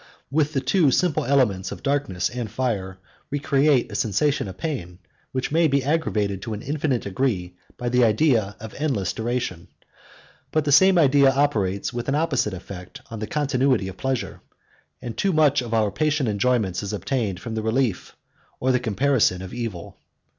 With the two simple elements of darkness and fire, we create a sensation of pain, which may be aggravated to an infinite degree by the idea of endless duration. But the same idea operates with an opposite effect on the continuity of pleasure; and too much of our present enjoyments is obtained from the relief, or the comparison, of evil.